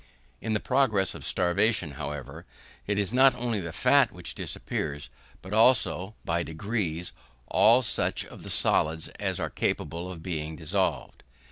In the progress of starvation, however, it is not only the fat which disappears, but also, by degrees all such of the solids as are capable of being dissolved.